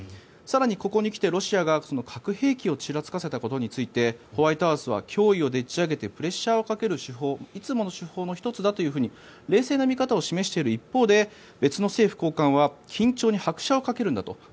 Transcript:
更にここに来てロシアが核兵器をちらつかせたことについてホワイトハウスは脅威をでっち上げてプレッシャーをかけるいつもの手法の１つだと冷静な見方を示している一方で別の政府高官は緊張に拍車をかけるんだと。